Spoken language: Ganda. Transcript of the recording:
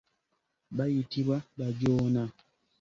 Bayitibwa bajoona.